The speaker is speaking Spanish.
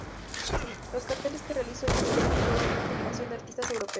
Los carteles que realizó influyeron en toda una generación de artistas europeos.